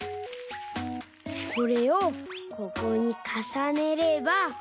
これをここにかさねれば。